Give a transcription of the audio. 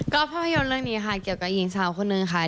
ก็ภาพยนตร์เรื่องนี้ค่ะเกี่ยวกับหญิงสาวคนนึงค่ะ